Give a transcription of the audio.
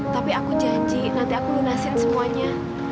tapi aku janji nanti aku lunasin semuanya